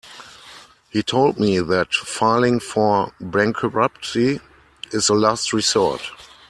He told me that filing for bankruptcy is the last resort.